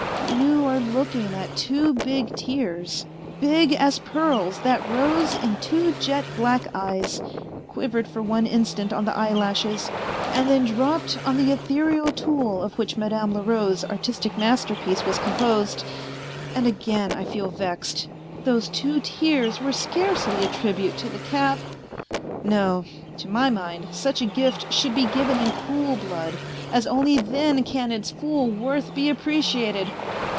... You are looking at two big tears, big as pearls, that rose in two jet black eyes, quivered for one instant on the cyr lashes, and then dropped on the ethereal tulle of which Madame Leroux's artistic masterpiece was composed. ... And again I feel vexed, those two tears were scarcely a tribute to the A FAINT HEART 171 cap. ... No, to my mind, such a gift should be given in cool blood, as only then can its full worth be appreciated.